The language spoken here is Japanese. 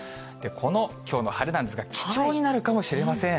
このきょうの晴れなんですが、貴重になるかもしれません。